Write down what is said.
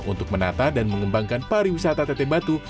untuk menata dan mengembangkan pariwisata teteh batu